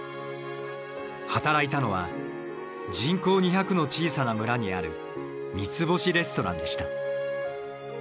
働いたのは人口２００の小さな村にある三つ星レストランでした。